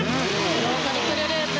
スロートリプルループ！